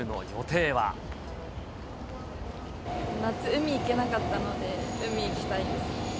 夏、海に行けなかったので、海行きたいですね。